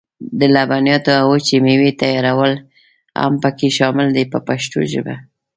د لبنیاتو او وچې مېوې تیارول هم پکې شامل دي په پښتو ژبه.